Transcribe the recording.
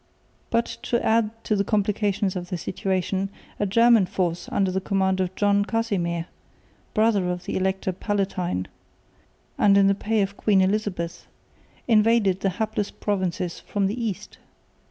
But, to add to the complications of the situation, a German force under the command of John Casimir, brother of the Elector Palatine, and in the pay of Queen Elizabeth, invaded the hapless provinces from the east.